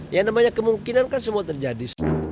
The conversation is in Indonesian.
yang namanya kemungkinan kan semua terjadi